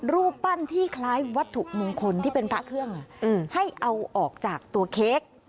รูปปั้นที่คล้ายวัตถุมงคลที่เป็นพระเครื่องให้เอาออกจากตัวเค้ก